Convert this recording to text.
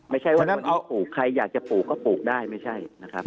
ไม่ใช่ว่ามันเอาปลูกใครอยากจะปลูกก็ปลูกได้ไม่ใช่นะครับ